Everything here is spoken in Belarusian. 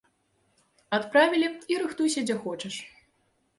Адправілі, і рыхтуйся, дзе хочаш.